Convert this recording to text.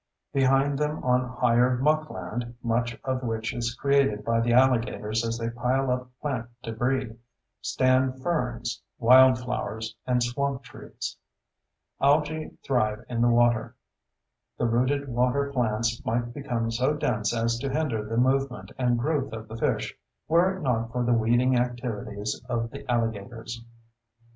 Behind them on higher muckland, much of which is created by the alligators as they pile up plant debris, stand ferns, wildflowers, and swamp trees. Algae thrive in the water. The rooted water plants might become so dense as to hinder the movement and growth of the fish, were it not for the weeding activities of the alligators.